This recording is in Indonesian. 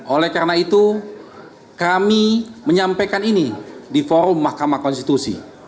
oleh karena itu kami menyampaikan ini di forum mahkamah konstitusi